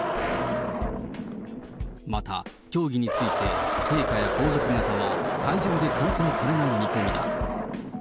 また、競技について陛下や皇族方は会場で観戦されない見込みだ。